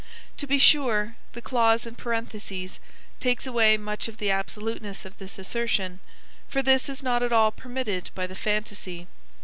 To be sure the clause in parentheses takes away much of the absoluteness of this assertion, for this is not at all permitted by the phantasy.